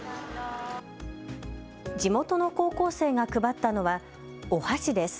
地元の高校生が配ったのはお箸です。